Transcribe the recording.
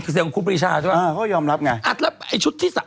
เสียงของครูปรีชาใช่ไหมอ่าเขาก็ยอมรับไงอัดแล้วไอ้ชุดที่สาม